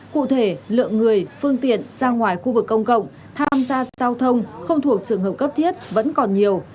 cụ thể lượng người phương tiện ra ngoài khu vực công cộng tham gia giao thông không thuộc trường hợp cấp thiết vẫn còn nhiều